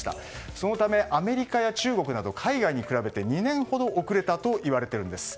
そのため、アメリカや中国など海外に比べて２年ほど遅れたといわれているんです。